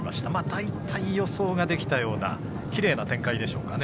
大体、予想ができたようなきれいな展開でしょうかね。